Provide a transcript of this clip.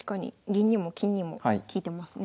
銀にも金にも利いてますね。